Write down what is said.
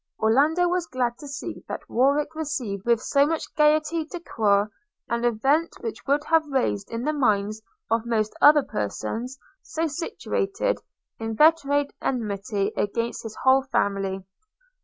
Orlando was glad to see that Warwick received with so much gaieté de coeur, an event which would have raised in the minds of most other persons, so situated, inveterate enmity against his whole family.